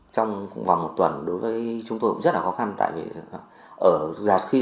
trong vòng một tuần đối với chúng tôi cũng rất là khó khăn